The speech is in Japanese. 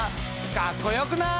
かっこよくない？